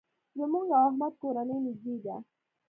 زموږ او احمد کورنۍ نېږدې ده.